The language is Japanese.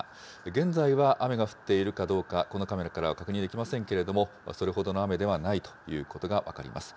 現在は雨が降っているかどうか、このカメラからは確認できませんけれども、それほどの雨ではないということが分かります。